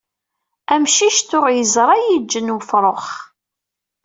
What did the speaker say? Amcic tuɣ yeẓṛa yiǧen wefṛux.